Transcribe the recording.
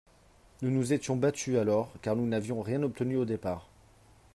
Nous nous étions battus alors, car nous n’avions rien obtenu au départ.